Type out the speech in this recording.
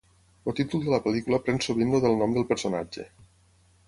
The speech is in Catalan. El títol de la pel·lícula pren sovint el del nom del personatge.